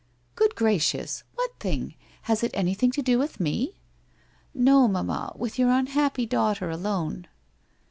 'Good gracious! What tiling? Has it anything to do with me?' 1 Xo, mamma, with your unhappy daughter alone.'